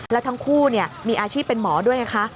แล้วทั้งคู่มีอาชีพเป็นหมอด้วยไงคะ